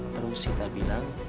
terus sita bilang